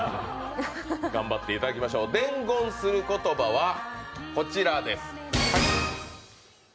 頑張っていただきましょう、伝言する言葉はこちらです。